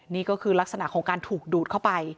นี่ก็คือลักษณะของการถูกดูดเข้าไป